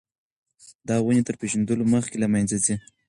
دا ونې تر پېژندلو مخکې له منځه ځي.